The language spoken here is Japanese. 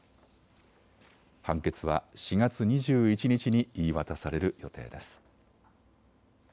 判決は４月２１日に言い渡される予定です。